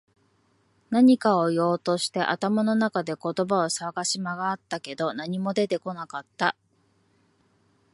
何かを言おうとして、頭の中で言葉を探し回ったけど、何も出てこなかった。